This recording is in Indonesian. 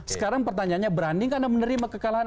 sekarang pertanyaannya berani gak anda menerima kekalahan